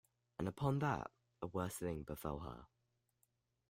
And upon that a worse thing befell her.